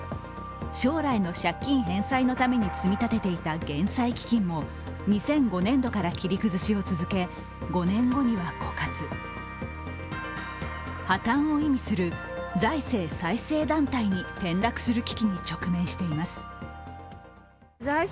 将来の借金返済のために積み立てていた減債基金も２００５年度から切り崩しを続け５年後には枯渇、破綻を意味する財政再生団体に転落する危機に直面しています。